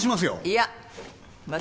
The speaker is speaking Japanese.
いや。